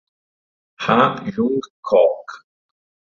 Han Jung-kook